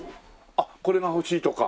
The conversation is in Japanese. あっこれが欲しいとか。